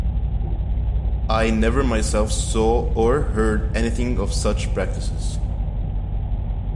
I never myself saw or heard anything of such practices.